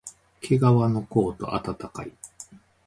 けがわのコート、あたたかい